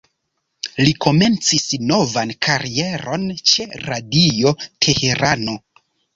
Li komencis novan karieron ĉe "Radio Teherano".